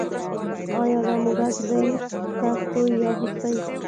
ایا دا موږک دی که سوی یا هوسۍ